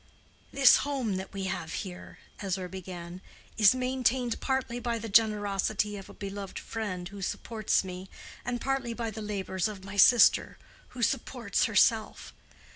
"This home that we have here," Ezra began, "is maintained partly by the generosity of a beloved friend who supports me, and partly by the labors of my sister, who supports herself.